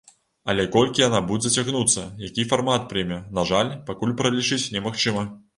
Але колькі яна будзе цягнуцца, які фармат прыме, на жаль, пакуль пралічыць немагчыма.